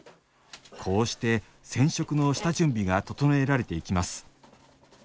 こうして染色の下準備が整えられていきます